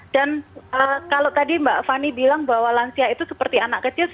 dan kalau tadi mbak fani bilang bahwa lansia itu seperti anak kecil